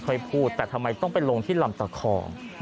เคยพูดแต่ทำไมต้องไปลงที่หลัมตะคอม